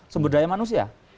sumber daya manusia